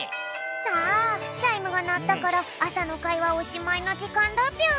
さあチャイムがなったからあさのかいはおしまいのじかんだぴょん。